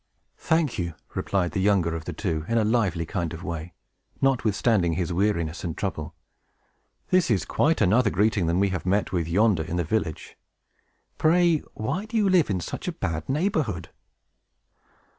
"Thank you!" replied the younger of the two, in a lively kind of way, notwithstanding his weariness and trouble. "This is quite another greeting than we have met with yonder in the village. Pray, why do you live in such a bad neighborhood?"